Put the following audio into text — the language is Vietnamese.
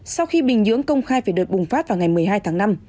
sau khi bình nhưỡng công khai về đợt bùng phát vào ngày một mươi hai tháng năm